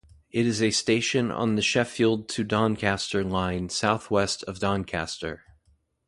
It is a station on the Sheffield to Doncaster Line south west of Doncaster.